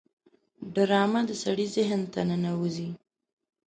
ډرامه د سړي ذهن ته ننوزي